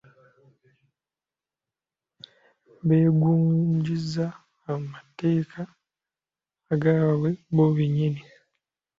Beegunjiza amateeka agaabwe bo bennyini